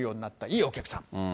いいお客さん。